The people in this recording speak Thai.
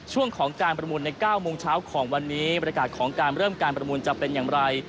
ช่วงของการประมูลใน๙โมงเช้าของวันนี้บริการของการเริ่มการประมูลจะเป็นอย่างไร